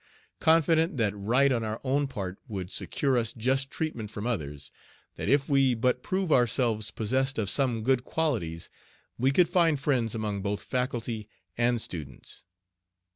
Confident that right on our own part would secure us just treatment from others, that "if we but prove ourselves possessed of some good qualities" we could find friends among both faculty and students.